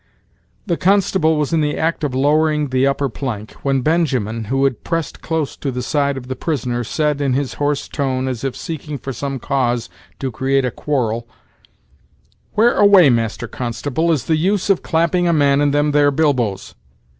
The constable was in the act of lowering the upper plank, when Benjamin, who had pressed close to the side of the prisoner, said, in his hoarse tone, as if seeking for some cause to create a quarrel: "Where away, master constable, is the use of clapping a man in them here bilboes?